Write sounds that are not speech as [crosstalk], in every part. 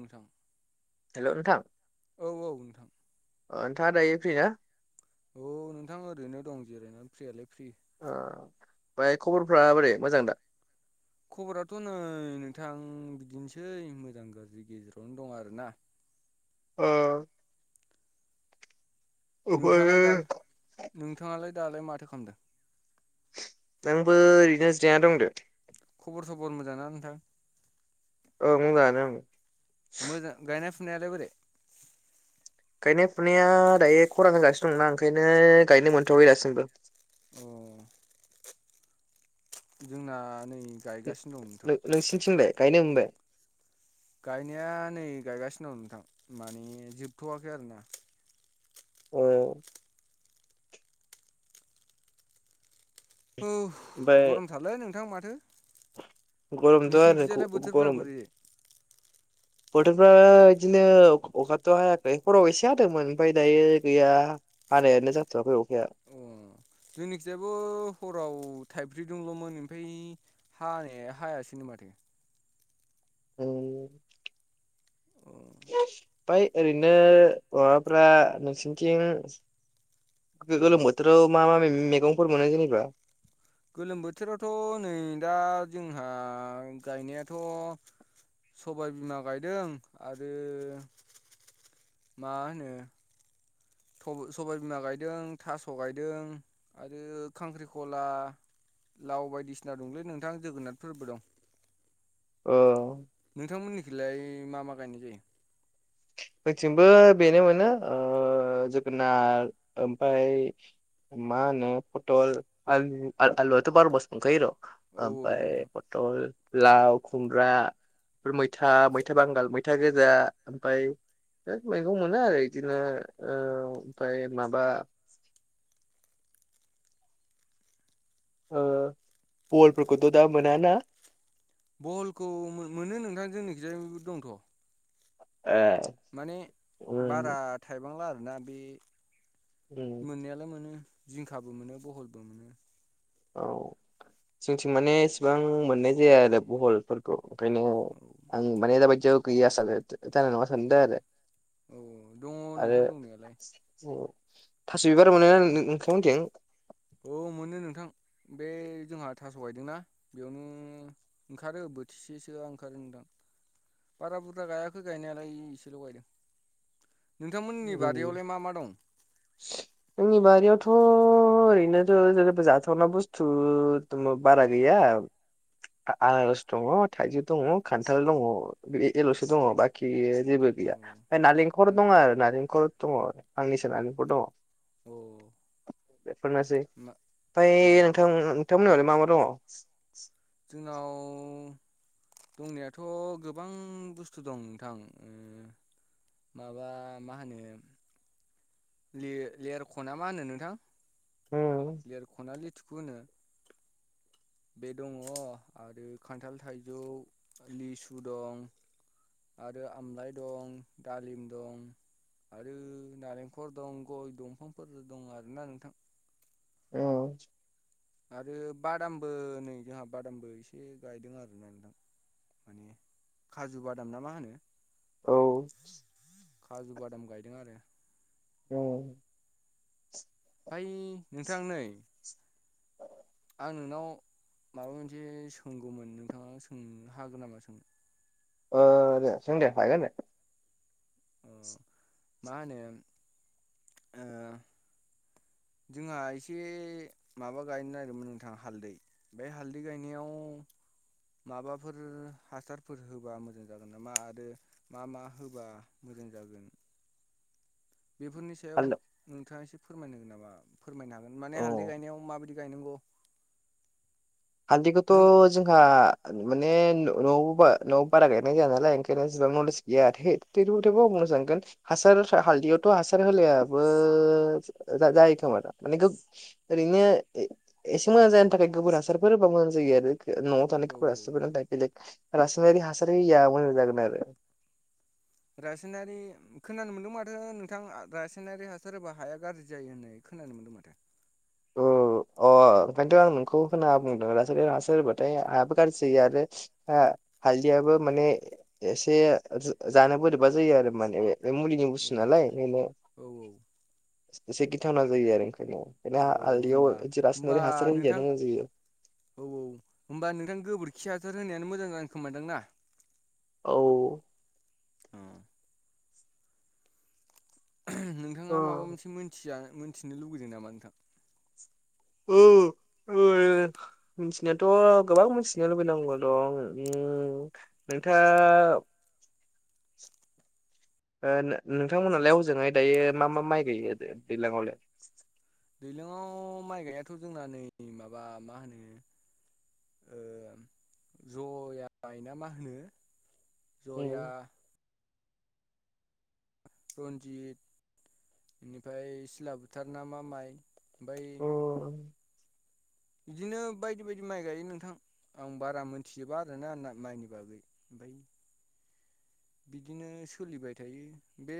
नोंथां हेल' नोंथां। औ औ नोंथां अ नोंथाङा दायो फ्रि ना? औ नोंथां ओरैनो दं जिरायनानै। फ्रियालाय फ्रि। ओ ओमफ्राय खबरफ्रा बोरै मोजां दा? खबराथ' नै नोंथां बिदिनोसै मोजां गाज्रि गेजेरावनो दं आरोना। ओ ओमफ्रायो नोंथाङालाय दा नोंथाङालाय दालाय माथो खालामदों? नोंबो ओरैनो जेरायना दंदो। खबर सबर मोजां ना नोंथां? औ मोजाङानो उम। मोजा गायनाय फुनायालाय बोरै? गायनाय फुनाया दायो खरान होगासिनो दंना ओंखायनो गायनो मोनथावबाय दासिमबो। अ। जोंना नै गायगासिनो दं नोंथां। नोंसिनिथिंलाय गायनो मोनबाय? गायनाया नै गायगासिनो दं नोंथां। माने जोबथ'वाखै आरोना ओ अफ ओमफ्राय गरमथालै नोंथां माथो। गरमथ' आरो नोंसोरनिथिजालाय बोथोरफ्रा बोरै? [inaudible] बोथोरफा बिदिनो अखाथ' हायाखै खराव एसे हादोंमोन ओमफ्राय दायो गैया। हानायानो जाथआखै अखाया। जोंनिखियायाबो हराव थाइफ्रि दंल'मोन ओमफफ्राय हानाय हायासैनो माथो। उम उम ओफाय ओरैनो माबाफ्रा नोंसनिथिं गो-गोलोम औ बोथोराव मा मा मे-मैगंफोर मोनो जेनेबा गोलोम बोथोरावथ' नै दा जोंहा गायनायाथ' सबाय बिमा गायदों आरो मा होनो थबो सबायबिमा गायदों थास' गायदों आरो खांख्रिखला लाव बायदिसिना दंलै नोंथां जोगोनाथ फोरबो दं अ नोंथांमोननिखौलाय मा मा गायनाय जायो जोंनिथिंबो बेनो मोनो जोगोनार ओमफफ्राय मा होन पटल आलु आलुआाथ' बार मास मोनखायो र औ ओमफफ्राय नोंथां पटल लाव खुमब्रा बे मैथा मैथा बांगाल मैथा गोजा ओमफ्राय बिराद मैगं मोनो आरो इदिनो ओ ओमफ्राय माबा ओ बहलफोरखौथ' दा मोनाना? बहलखौ मो-मोनो नोंथां जोंनिखिजाय दंथ' ए माने उम बारा थाइबांला आरोना बे उम मोननायालाय मोनो जिंखाबो मोनो बहलबो मोनो। औ जोंथिं माने इसेबां मोननाय जाया आरो बहलफोर औ आं मने बदियाव गैया सानो जानाय नङा औ सानदों आरो औ दङ नोंथां दंनायालाय आरो थास' बिबार मोनो नोंथां मोन्निथिं औ मोनो नोंथां बे जोंहा थास' गायदोंना बेयावनो ओंखारो बोथिसेसोआ ओंखारो नोंदां बारा बुरजा गायाखै गायनायालाय एसेल' गायदों नोंथांमोननि बारिैयावलाय मा मा दं जोंनि बारियावथ' ओरैनोथ' जेनेबा जाथावना बुस्थु होनबाबो बारा गैया आनारस दङ थाइजौ दङ खान्थाल दङ बे एल'सो दङ बा खि जेबो गैया ओमफ्राय नारेंखल दङ आरो नारेंखल दङ आंनैसो नालेंखर दङ औ अ बेफोरनोसै मा ओमफ्राय औ नोंथां नोंथांमोननियावलाय मा मा दङ जोंनाव दंनायाथ' गोबां बुस्थु दं नोंथां माबा मा होनो ल लेरख'ना मा होनो नोंथां लेरख'ना लेथिखु होनो बे दङ आरो खान्थाल थाइजौ लिसु दं आरो आमलाइ दं दालिम दं आरो नारेंखल दं गय दंफांफोर दं आरोना नोंथां औ आरो बादामबो नै जोंहा बादामबो एसे गायदों आरोना नोंथां माने खाजु बादाम ना मा होनो औ खाजु बादाम गायदों आरो औ फाइ नोंथां नै आं नोंनाव माबा मोनसे सोंगौमोन नोंथाङा सोंनो हागोन नामा सोंनो ओ दे सोंदे हागोन दे अ मा होनो ओ जोंहा एसे माबा गायनो नागिरदोंमोन नोंथां हालदै बे हालदै गायनायाव माबाफोर हासारफोर होबा मोजां जागोन नामा आरो मा मा होबा मोजां जागोन बेफोरनि सायाव हालदै नोंथाङा एसे फोरमायना होगोन नामा फोरमायनो हागोन माने औ हालदै गायनायाव माबायदि गायनांगौ हालदिखौथ' नों जोंहा माने न'आव न'आवबो बारा गायनाय जाया नालाय ओंखायनो एसेबां नलेज गैया [unintelligible] हासार हालदैयावथ' हासार होलायाबो जायो खोमा दा माने गो ओरैनो एसे मोजां जानायनि थाखाय गोबोर हासार फोर होबा मोजां जायो आरो न' आव थानाय औ गोबोर हासारफोरा दा बेलेग रासायनारि हासार होयैआ मोजां जागोन आरो रासायनारि खोनानो मोन्दों माथो नोंथां रासायनारि हासार होबा हाया गाज्रि जायो होननाय खोनानो मोनदों माथो औ अ अ ओंखायनोथ' आं नोंखौ होनाङा बुंदों रासायनारि हासार होबाथाय हायाबो गाज्रि आरो हा हालदियाबो माने एसे जानो बोरैबा जायो आरो माने बे मुलि नि औ बुस्थु नालाय ओंखायनो औ औ एसे गिथावना जायो आरो ओंखायनो बेना अ हालदिआव होमबा बिदि होमबा रासायनारि हासार नोंथां होयैआनो मोजां जायो औ औ होनोमबा नोंथां गोबोरखि हासार होनायानो मोजां जागोन खोमादां ना औ अ ओ नोंथाङा माबा मोनसे मोनथिया मोनथिनो लुगैदों नामा नोंथां औ मिथिनायाथ' गोबां मिथिनो लुबैनांगौ दं उम नोंथाङा ओ नोंथांमोनालाय हजोङो दायो मा मा माइ गायोयो दैलांआवलाय दैलांआव माइ गायाथ' जोंना नै माबा मा होनो ओ जय ना मा होनो जया रन्जित बेनिफ्राय सिला बोथार ना मा माइ ओमफ्राय बिदिनो बायदि बायदि माइ गायो नोंथां आं बारा मोनथिजोबा आरोना माइनि बागै बै बिदिनो सोलिबाय थायो बे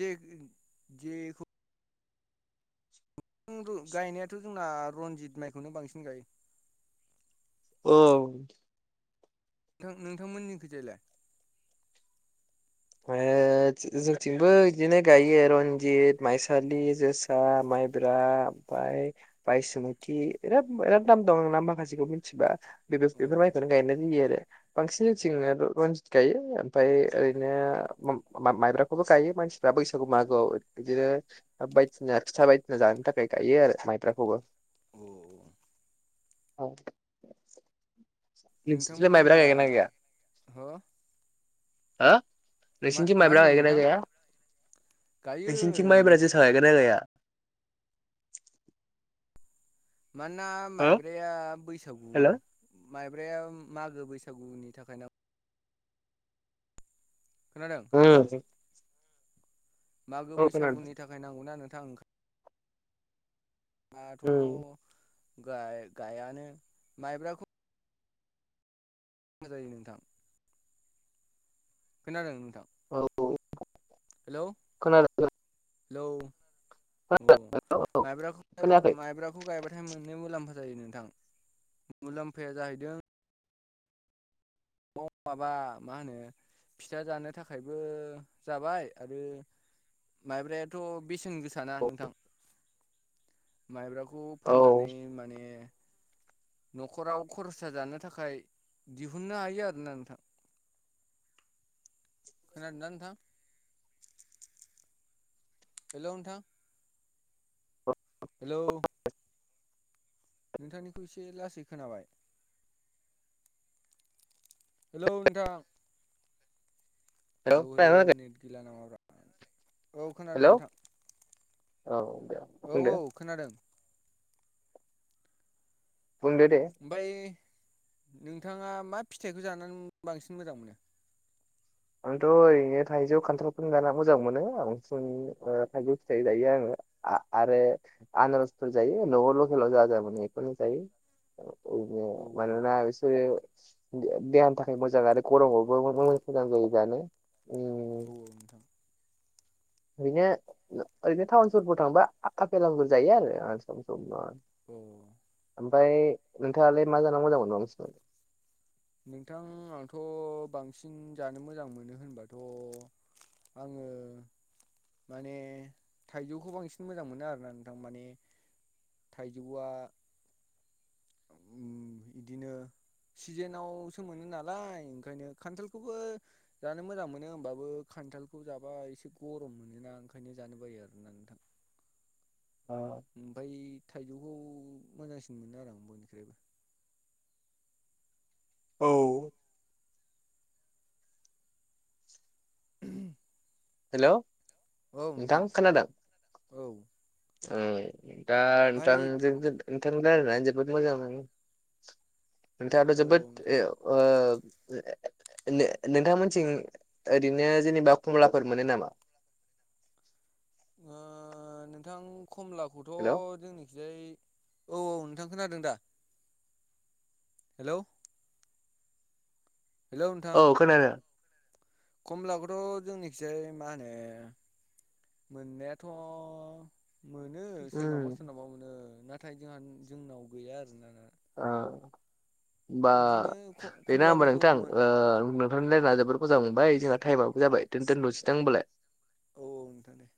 जे जेखौ गायनायाथ' जोंना रनजित माइखौनो बांसिन गायो औ नोंथां नोंथांमोननिखैजायलाय मायो जोंथिंबो बिदिनो गायो रनजित माइसालि जोसा माइब्रा ओमफ्राय बायसुमति बिराद बिराद नाम दं नाम माखासेखौ मिथिबा [unintelligible] अ बेफोर माइखौनो गायनाय जायो आरो बांसिन जोंनिथिं रनजित गायो ओमफ्राय ओरै नो मा माइब्राखौबो गायो मानसिफ्रा बैसागु मागोआव बिदिनो। आ बाय आ बाय जथायाय आरो माइब्राखौबो। अ'। औ। नोंसिनि थिंजाय माइब्रा नोंथांमोनना गायना गाया? हो हा। मा नोंसिनिथिं मा माइब्रा होनदों गायगोना नोंथां गाया गायो नोंसिनिथिं माइब्रा नोंथां जोसा गायगोना गाया? मानो ना हो माइब्राया बैसागु माइब्राया मागो बैसागुनि थाखाय नां खोनादों हेल' मागो औ खोनादों बैसागुनि थाख भाहायनांगौना नोंथां। [unintelligible] दात उम गाय गायानो माइब्राखौ हा जायो नोंथां। खोनादों नोंथां? औ। ‌ खोना [inaudible] हेल' औ [unintelligible] औ माइब्रा खोनायाखै खौ गायबाथाय मोननै मुलाम्फा जायो नोंथां। मुलाम्फाया जाहैदों। बाव माबा माहोनो फिथा जानो थाखायबो जाबाय आरो। माइब्रायाथ' बेसेन गोसा ना नोंथां। [inaudible] माइब्राखौ औ फाननानै माने न'खराव खरसा जानो थाखाय दिहुननो हायो आरो ना नोंथां। खोनादोंना नोंथां? हेल' नोंथां। हेल' नोंथांनिखौ एसे लासै खोनाबाय। हेल' नोंथां। हेल' हेल' नेट गैला नामब्रा हेल' औ दे औ होन्दो औ खोनादों? बुंदो दे। ओमफाय नोंथाङा मा फिथाइखौ जानानै बांसिन मोजां मोनो? आंथ' ओरै नो थाइजौ खान्थालखौनो गाना मोजां मोनो आं बांसिन थाइजौ फिथाइ दायो आङो। आ-आरो आनारसफोर जायो ल'आव लकेलाव जा जा मोनो बेखौनो जायो। औ [unintelligible] मानोना ओ दे देहानि थाखाय मोजां आरो गरमावबो मोजां [unintelligible] जां जायो जानो। औ ओरैनो नोंथां। [inaudible] ओरैनो ओरैनो टाउन सहरफोराव थांबा आ-आफेल आंगुर जायो आरो ओ सम सम [unintelligible] [unintelligible] ओमफाय नोंथाङालाय मा जाना मोजां मोनबा [unintelligible] नोंथां आंथ' बांसिन जानो मोजां मोनो होनबाथ'। आङो। माने थाइजौखौ बांसिन मोजां मोनो आरोना नोंथां। माने थाइजौआ उम बिदिनो। सिजेनाव सो मोनो नालाय ओंखायनो खान्थालखौबो जानो मोजां मोनो होमबाबो खान्थालखौ जाबा एसे गरम मोनो ना ओंखायनो जानो बायो आरो ना नोंथां। आ। ओमफाय थाइजौखौ मोजांसिन मोनो आरो आं बयनिख्राबो। औ। हेलौ नोंथां खोनादों औ उम दा ओमफाय नोंथांजों नोंथांजों रायलायनानै जोबोद मोजां मोनदों नोंथाङाथ' औ जोबोद नोंथां एउ ओ नों-नोंथांमोनथिं ओरैनो जेनेबा खमला फोर मोनो नामा? ओ नोंथां खमलाखौथ' हेलौ जोंनिखिजाय औ औ नोंथां खोनादों दा हेलौ हेलौ नोंथां औ खोनादों खमलाखौथ' जोंनिखिसाय मा होनो मोननायाथ' मोनो सोरनावबा उम सोरनावबा मोनो नाथाय जोंहा जोंनाव गैया आरोना आ होमबा बिदिनो बे ना होमबा खमलाफोरखौ नोंथां मोन ओ नोंथाजों रायलायना जोबोर मोजां मोनबाय जोंना थाइमाबबो जाबाय दोनथ'सै होनबालाय औ औ नोंथां दे